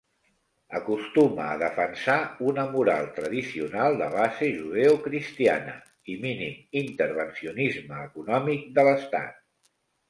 Acostuma a defensar una moral tradicional de base judeocristiana i mínim intervencionisme econòmic de l'Estat.